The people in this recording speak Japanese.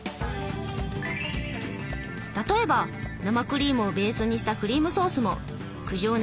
例えば生クリームをベースにしたクリームソースも九条